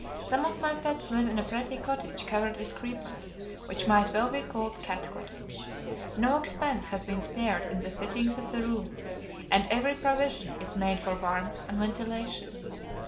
Some of my pets live in a pretty cottage covered with creepers, which might well be called Cat Cottage. No expense has been spared in the fittings of the rooms, and every provision is made for warmth and ventilation.